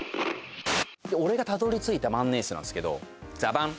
俺がたどりついた万年筆なんですけどザバン！